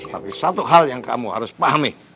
tapi satu hal yang kamu harus pahami